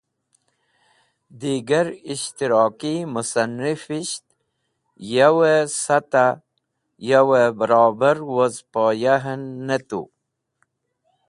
Digar Ishtiraki Musannifisht yawey Satah yawey Barobawoz Poyahen ne Tu.